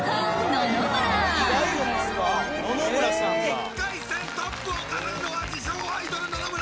「１回戦トップを飾るのは自称アイドル野々村真」